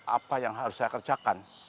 apa yang harus saya kerjakan